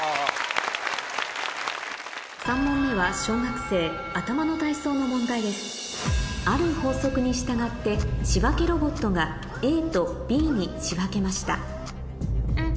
３問目は小学生頭の体操の問題ですある法則に従って仕分けロボットがＡとＢに仕分けましたん？